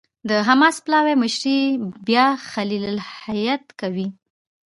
د حماس پلاوي مشري بیا خلیل الحية کوي.